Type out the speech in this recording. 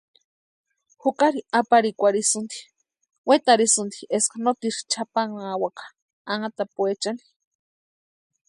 Jukari aparhikwarhisinti, wetarhisïnti eska noteru chʼapanhawaka anhatapuechani.